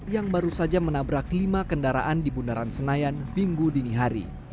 yang baru saja menabrak lima kendaraan di bundaran senayan minggu dini hari